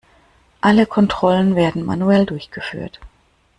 Alle Kontrollen werden manuell durchgeführt.